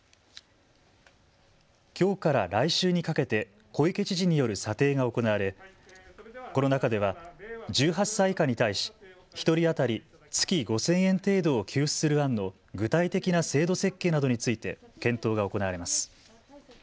きょうから来週にかけて小池知事による査定が行われこの中では１８歳以下に対し１人当たり月５０００円程度を給付する案の具体的な制度設計などについて検討が行われます。